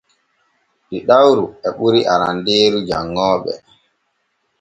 Ɗiɗawru e ɓuri arandeeru janŋooɓe.